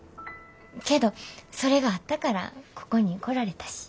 けどそれがあったからここに来られたし。